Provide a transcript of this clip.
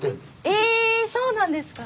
えそうなんですか。